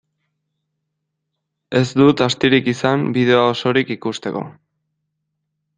Ez dut astirik izan bideoa osorik ikusteko.